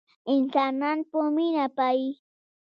انسانان په مينه پايي